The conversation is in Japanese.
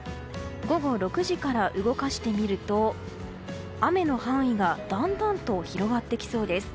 午後６時から動かしてみると雨の範囲がだんだんと広がってきそうです。